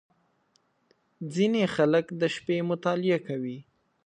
• ځینې خلک د شپې مطالعه کوي.